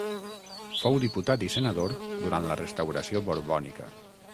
Fou diputat i senador durant la restauració borbònica.